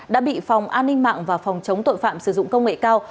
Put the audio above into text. đã bị phòng an ninh mạng và phòng chống tội phạm sử dụng công nghệ cao